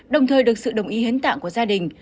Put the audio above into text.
đồng thời được sự đồng ý hiến tạng của gia đình